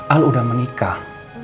al udah menikah